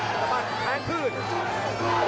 ทันสังบัตรแทงพืช